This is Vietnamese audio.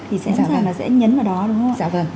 thì sẽ nhấn vào đó đúng không ạ